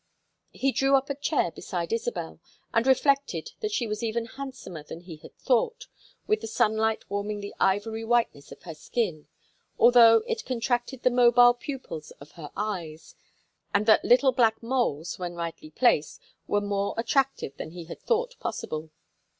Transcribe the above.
He drew up a chair beside Isabel and reflected that she was even handsomer than he had thought, with the sunlight warming the ivory whiteness of her skin, although it contracted the mobile pupils of her eyes; and that little black moles when rightly placed were more attractive than he had thought possible.